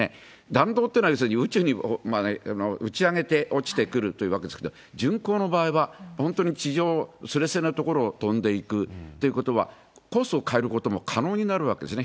弾道ってのは要するに宇宙に打ち上げて落ちてくるというわけですけれども、巡航の場合は、本当に地上すれすれの所を飛んでいくということは、コースを変えることも可能になるわけですね。